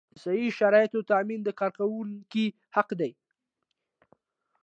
د صحي شرایطو تامین د کارکوونکي حق دی.